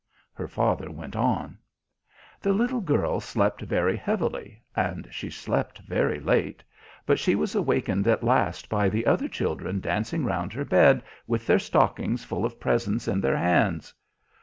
Her father went on: The little girl slept very heavily, and she slept very late, but she was wakened at last by the other children dancing round her bed with their stockings full of presents in their hands.